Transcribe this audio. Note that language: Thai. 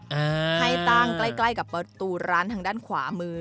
ให้ตั้งใกล้ใกล้กับประตูร้านทางด้านขวามือ